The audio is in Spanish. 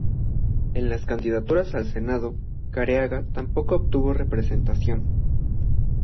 En las candidaturas al Senado, Careaga tampoco obtuvo representación.